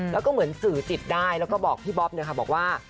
แล้วก็เหมือนสื่อจิตได้แล้วก็บอกพี่บ๊อบเนี่ยค่ะบอกว่า